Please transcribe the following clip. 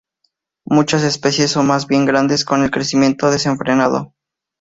Muchas especies son más bien grandes con el crecimiento desenfrenado.